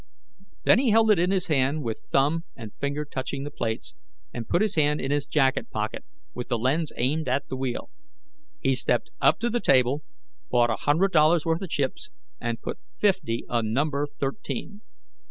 Then he held it in his hand with thumb and finger touching the plates and put his hand in his jacket pocket, with the lens aimed at the wheel. He stepped up to the table, bought a hundred dollars worth of chips, and put fifty on Number Thirteen.